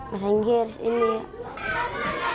masa inggris ini ya